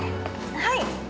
はい。